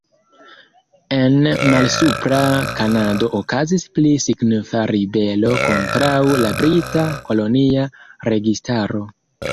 En Malsupra Kanado okazis pli signifa ribelo kontraŭ la brita kolonia registaro.